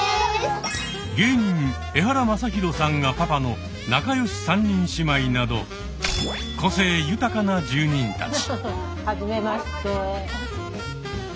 芸人エハラマサヒロさんがパパの仲よし３人姉妹など個性豊かな住人たち。